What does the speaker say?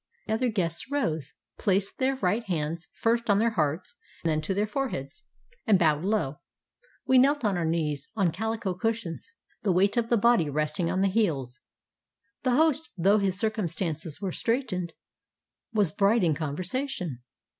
The other guests rose, placed their right hands first on their hearts, then to their foreheads, and bowed low. We knelt on our knees on calico cushions, the weight of the body resting on the heels. The host, though his circumstances were straitened, was bright in conversation.